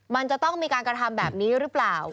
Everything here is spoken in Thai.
มันจะต้องมีการกระทำแบบนี้หรือเปล่า